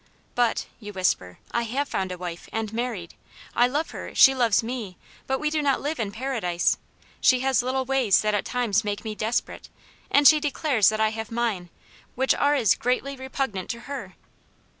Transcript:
"But," you whisper, "I have found a wife, and married. I love her, she loves me, but we do not live in Paradise. She has little ways that at times make me desperate ; and she declares that I have mine, which are as greatly repugnant to her."